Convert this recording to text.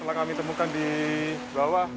telah kami temukan di bawah